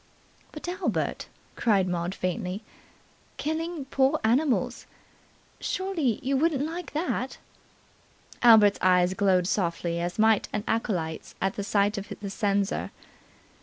"But, Albert," cried Maud faintly. "Killing poor animals. Surely you wouldn't like that?" Albert's eyes glowed softly, as might an acolyte's at the sight of the censer. "Mr.